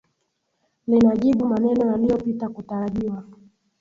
Linajibu maneno yaliyopita kutarajiwa .